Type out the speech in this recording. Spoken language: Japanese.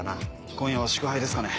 今夜は祝杯ですかね？